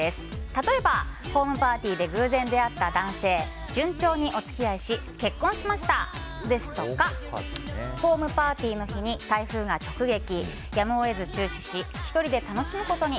例えば、ホームパーティーで偶然出会った男性順調にお付き合いし結婚しましたですとかホームパーティーの日に台風が直撃。